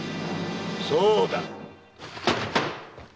・そうだ！